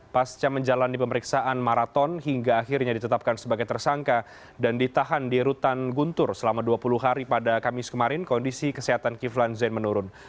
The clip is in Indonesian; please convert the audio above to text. pasca menjalani pemeriksaan maraton hingga akhirnya ditetapkan sebagai tersangka dan ditahan di rutan guntur selama dua puluh hari pada kamis kemarin kondisi kesehatan kiflan zain menurun